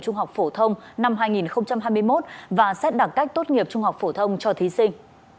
trung học phổ thông năm hai nghìn hai mươi một và xét đặc cách tốt nghiệp trung học phổ thông cho thí sinh